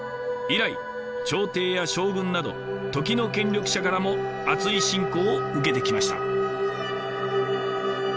以来朝廷や将軍など時の権力者からもあつい信仰を受けてきました。